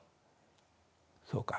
そうか。